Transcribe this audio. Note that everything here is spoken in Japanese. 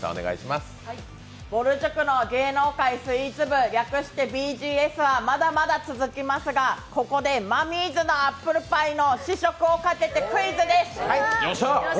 「ぼる塾の芸能界スイーツ部」略してＢＧＳはまだまだ続きますがここでマミーズのアップルパイの試食をかけてクイズです。